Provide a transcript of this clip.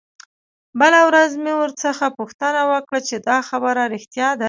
بله ورځ مې ورڅخه پوښتنه وکړه چې دا خبره رښتيا ده.